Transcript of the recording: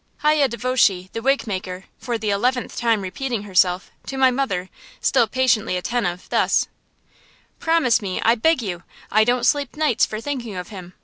Hayye Dvoshe, the wig maker, for the eleventh time repeating herself, to my mother, still patiently attentive, thus: "Promise me, I beg you. I don't sleep nights for thinking of him.